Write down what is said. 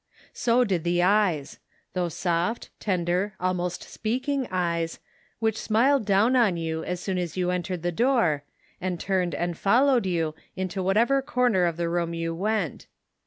So did the eyes — those soft, tender, almost speaking eyes — which smiled down on you as soon as you entered the door, and turned and followed you, into whatever 12 The Pocket Measure, corner of the room you went.